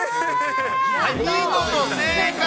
見事正解。